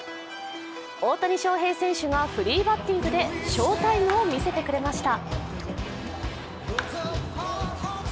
大谷翔平選手がフリーバッティングで翔タイムを見せてくれました。